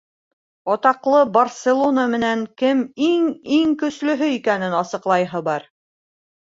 Атаҡлы «Барселона» менән кем иң-иң көслөһө икәнен асыҡлайһы бар.